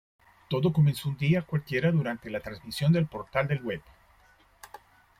Todo comenzó un día cualquiera, durante la transmisión de "El Portal del Web".